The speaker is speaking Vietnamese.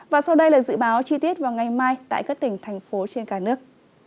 và sau đây là dự báo chi tiết vào ngày mai tại các tỉnh thành phố trên cả nước